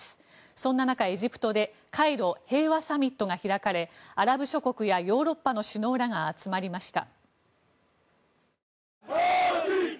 そんな中、エジプトでカイロ平和サミットが開かれアラブ諸国やヨーロッパの首脳らが集まりました。